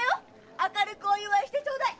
明るくお祝いしてちょうだい！